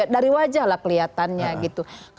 dari wajah lah kelihatannya gitu